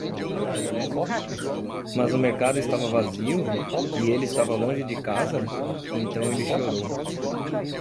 Mas o mercado estava vazio? e ele estava longe de casa? então ele chorou.